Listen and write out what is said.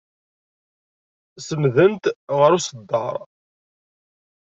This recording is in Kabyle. Senndent ɣer uṣeddar.